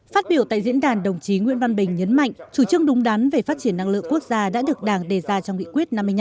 phát biểu tại diễn đàn đồng chí nguyễn văn bình nhấn mạnh chủ trương đúng đắn về phát triển năng lượng quốc gia đã được đảng đề ra trong nghị quyết năm mươi năm